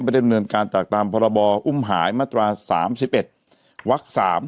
ไม่ได้มรึนการตามการประรบออุ้มหายมตรา๓๑วักส์๓